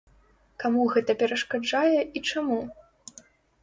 Каму гэта перашкаджае і чаму?